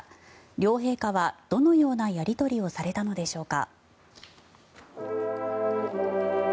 両陛下はどのようなやり取りをされたのでしょうか。